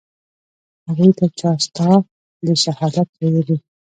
هغوى ته چا ستا د شهادت ويلي.